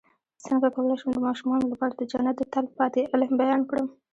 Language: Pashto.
څنګه کولی شم د ماشومانو لپاره د جنت د تل پاتې علم بیان کړم